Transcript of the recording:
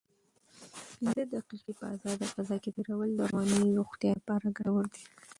پنځه دقیقې په ازاده فضا کې تېرول د رواني روغتیا لپاره ګټور دي.